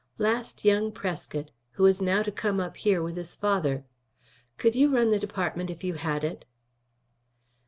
Last, young Prescott, who is now to come up here with his father. Could you run the department if you had it?"